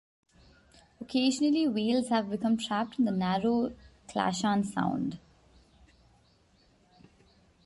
Occasionally whales have become trapped in the narrow Clachan Sound.